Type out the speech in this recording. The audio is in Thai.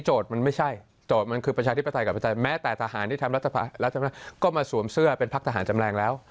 โจทย์มันคือประชาธิปไตรกับประชาธิปไตรแม้แต่ทหารที่ทำรัฐบาลก็มาสวมเสื้อเป็นภักดิ์ทหารจำแรงแล้ว